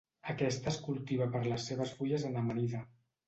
Aquesta es cultiva per les seves fulles en amanida.